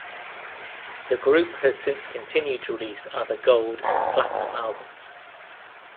The group has since continued to release other Gold and Platinum albums.